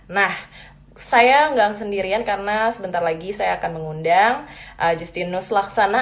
nah saya nggak sendirian karena sebentar lagi saya akan mengundang justinus laksana